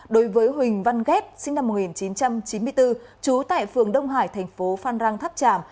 đối với huỳnh văn ghét sinh năm một nghìn chín trăm chín mươi bốn trú tại phường đông hải thành phố phan rang tháp tràm